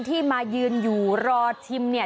ที่มายืนอยู่รอชิมเนี่ย